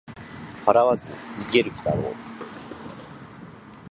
払わず逃げる気だろう